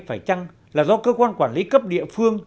phải chăng là do cơ quan quản lý cấp địa phương